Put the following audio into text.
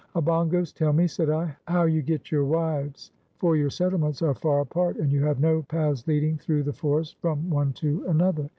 "Obongos, tell me," said I, "how you get your wives, for your settlements are far apart and you have no paths leading through the forest from one to another.